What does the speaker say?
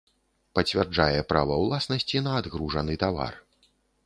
Пацвярджае права ўласнасці на адгружаны тавар.